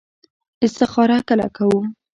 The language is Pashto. استخاره کله کوو؟